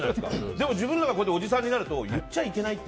でも自分らがおじさんになると言っちゃいけないって。